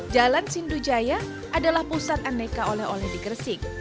jalan sindujaya adalah pusat aneka oleh oleh di gersik